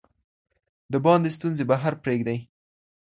د باندې ستونزې بهر پریږدئ.